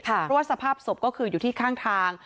เพราะว่าสภาพศพก็คืออยู่ที่ข้างทาง